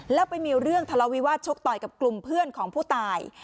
แล้วไปมีเรื่องทะเลาวิวาสชกต่อยกับกลุ่มเพื่อนของผู้ตาย